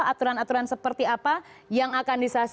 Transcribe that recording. aturan aturan seperti apa yang akan